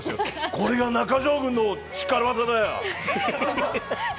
これが中条軍の力技だよ。